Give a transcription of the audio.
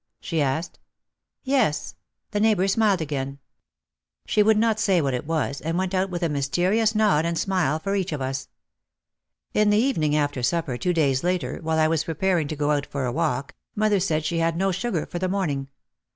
she asked. "Yes," the neighbour smiled again. She would not say what it was and went out with a mysterious nod and smile for each of us. In the evening after supper, two days later, while I was preparing to go out for a walk, mother said she had no sugar for the morning.